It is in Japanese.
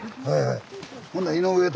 はい。